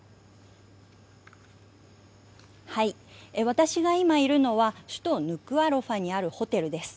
私が今いるのは首都ヌクアロファにあるホテルです。